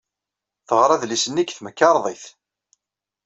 Teɣra adlis-nni deg temkarḍit.